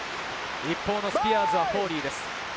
一方のスピアーズはフォーリーです。